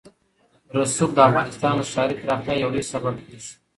رسوب د افغانستان د ښاري پراختیا یو لوی سبب کېږي.